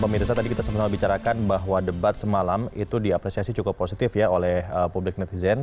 pemirsa tadi kita sama sama bicarakan bahwa debat semalam itu diapresiasi cukup positif ya oleh publik netizen